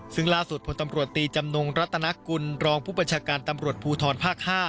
ซึ่งล่าสุดพลตำรวจตีจำนงรัตนกุลรองผู้บัญชาการตำรวจภูทรภาค๕